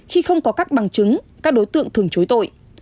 khi không có các bằng chứng các đối tượng thường chối tội